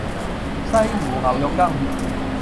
西湖牛肉羹